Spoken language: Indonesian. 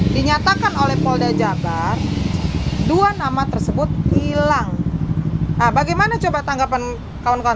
dinyatakan oleh polda jabar dua nama tersebut hilang bagaimana coba tanggapan kawan kawan